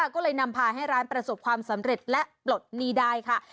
ก็เลยนำพาให้ร้านประสบความสำเร็จและปลดหนี้ได้ค่ะ